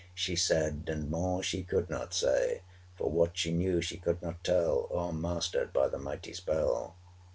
She said: and more she could not say: For what she knew she could not tell, O'er mastered by the mighty spell.